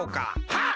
はっ！